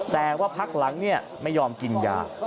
แต่ว่าพักหลังไม่ยอมกินยา